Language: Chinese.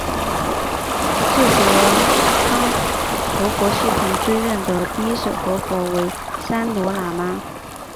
智合仓活佛系统追认的第一世活佛为三罗喇嘛。